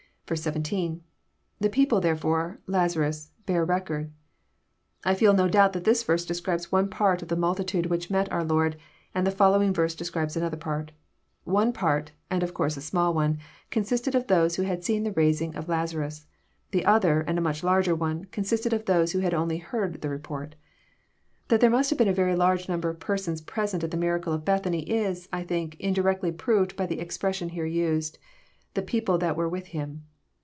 17. —[ TJie people therefore, „Lazaru8. „bare record.] I feel no doubt that this verse describes one part of the multitude which met ' our Lord, and the following verse describes another part. One part, and of course a small one, consisted of those who had seen the raising of Lazarus. The other, and a much larger one, consisted of those who had only heard the report. That there must have been a very large number of persons present at the miracle of Bethany is, I think. Indirectly proved by the expression here used, " people that were with Him."